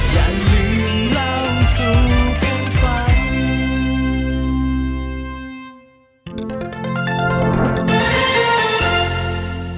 สวัสดีครับสวัสดีครับ